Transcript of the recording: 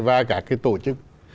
và cả cái tổ chức